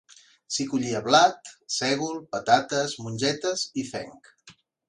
S'hi collia blat, sègol, patates, mongetes i fenc.